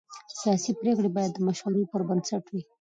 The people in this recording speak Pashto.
سیاسي پرېکړې باید د مشورو پر بنسټ وي